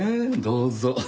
どうぞ。